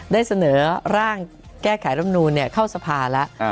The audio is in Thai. ได้เสนอร่างแก้ไขรำนูนเข้าสภาแล้ว